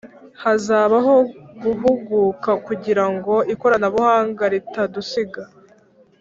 hazabaho guhuguka kugira ngo ikoranabuhanga ritadusiga